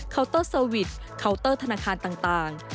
เตอร์เซอร์วิสเคาน์เตอร์ธนาคารต่าง